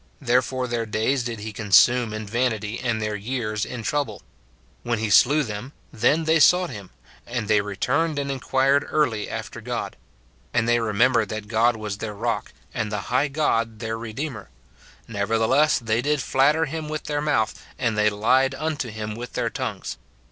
Therefore their days did he consume in vanity, and their years in trouble. When he slew them, then they sought him : and they returned and inquired early after God. And they remembered that God was their rock, and the high God their redeemer. Nevertheless they did flatter him with their mouth, and they lied unto him with their tongues.